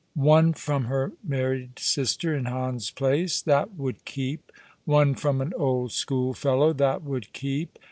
One from her married sister in Hans Place. That would keep. One from an old schoolfellow. That would keep.